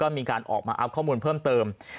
มีการออกมาอัพข้อมูลเพิ่มเติม